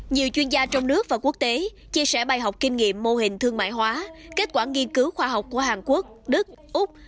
nhiều chuyên gia trong nước và quốc tế chia sẻ bài học kinh nghiệm mô hình thương mại hóa kết quả nghiên cứu khoa học của hàn quốc đức úc